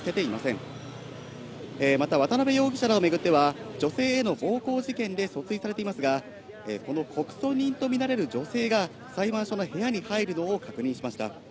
また渡辺容疑者らをめぐっては、女性への暴行事件で訴追されていますが、この告訴人とみられる女性が裁判所の部屋に入るのを確認しました。